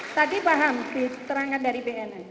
tadi paham di terangkan dari bni